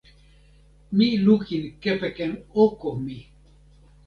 mi lukin kepeken oko mi.